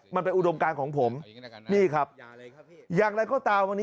อุดมการของผมนี่ครับอย่างไรก็ตามวันนี้